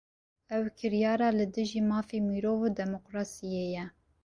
Ev kiryara, li dijî mafê mirov û demokrasiyê ye